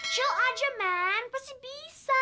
show aja man pasti bisa